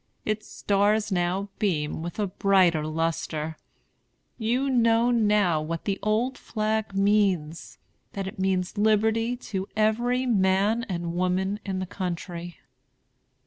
Its stars now beam with a brighter lustre. You know now what the old flag means, that it means liberty to every man and woman in the country.